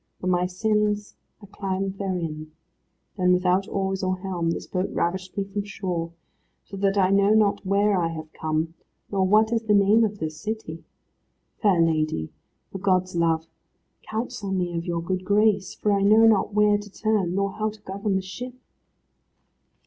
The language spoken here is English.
For my sins I climbed therein. Then without oars or helm this boat ravished me from shore; so that I know not where I have come, nor what is the name of this city. Fair lady, for God's love, counsel me of your good grace, for I know not where to turn, nor how to govern the ship."